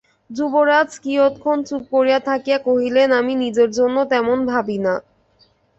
যুবরাজ কিয়ৎক্ষণ চুপ করিয়া থাকিয়া কহিলেন, আমি নিজের জন্য তেমন ভাবি না।